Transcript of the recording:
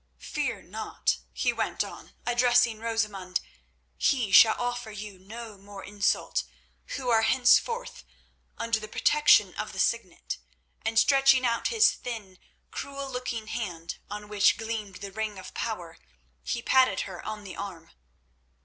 Fear not," he went on, addressing Rosamund, "he shall offer you no more insult, who are henceforth under the protection of the Signet," and stretching out his thin, cruel looking hand, on which gleamed the ring of power, he patted her on the arm.